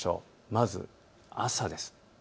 まず朝です。